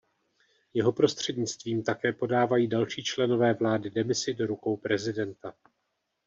Jeho prostřednictvím také podávají další členové vlády demisi do rukou prezidenta.